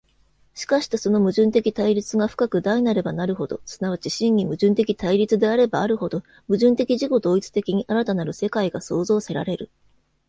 しかしてその矛盾的対立が深く大なればなるほど、即ち真に矛盾的対立であればあるほど、矛盾的自己同一的に新たなる世界が創造せられる。